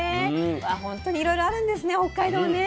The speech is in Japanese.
本当にいろいろあるんですね北海道ね。